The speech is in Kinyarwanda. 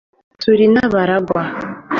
turi n'abaragwa